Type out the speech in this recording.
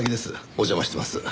お邪魔してます。